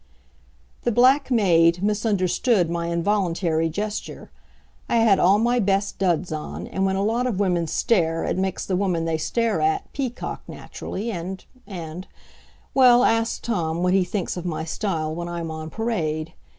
The black maid misunderstood my involuntary gesture. I had all my best duds on, and when a lot of women stare it makes the woman they stare at peacock naturally, and and well, ask Tom what he thinks of my style when I'm on parade.